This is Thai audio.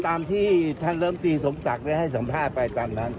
ตามที่ท่านเริ่มตีสมศักดิ์ได้ให้สัมภาษณ์ไปตามนั้น